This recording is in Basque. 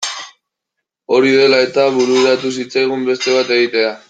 Hori dela eta bururatu zitzaigun beste bat egitea.